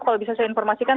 kalau bisa saya informasikan